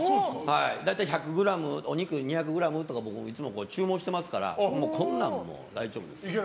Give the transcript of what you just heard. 大体１００ｇ、お肉２００ｇとか僕、いつも注文してますからこんなん大丈夫ですよ。